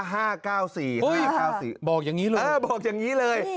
เฮ้ยบอกอย่างนี้เลย